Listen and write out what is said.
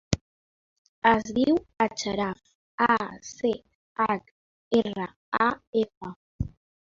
Es diu Achraf: a, ce, hac, erra, a, efa.